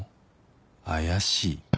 怪しい